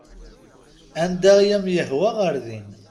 Anda i am-yehwa ɣer din.